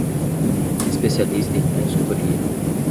Especialista em consultoria